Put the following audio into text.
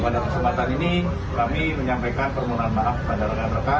pada kesempatan ini kami menyampaikan permohonan maaf kepada rekan rekan